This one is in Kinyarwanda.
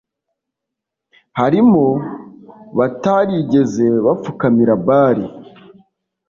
harimo batarigeze bapfukamira Bali